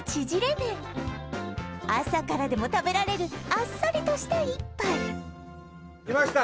麺朝からでも食べられるあっさりとした一杯きました